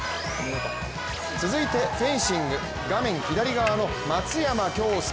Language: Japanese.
続いてフェンシング、画面左側の松山恭助。